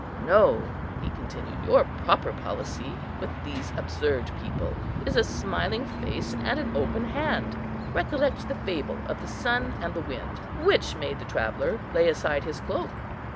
No," he continued, "your proper policy with these absurd people is a smiling face and an open hand. Recollect the fable of the sun and the wind; which made the traveller lay aside his cloak?